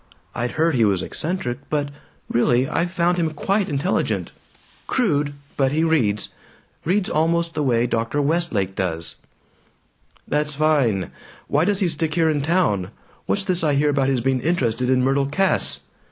I'd heard he was eccentric, but really, I found him quite intelligent. Crude, but he reads reads almost the way Dr. Westlake does." "That's fine. Why does he stick here in town? What's this I hear about his being interested in Myrtle Cass?"